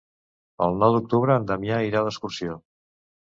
El nou d'octubre en Damià irà d'excursió.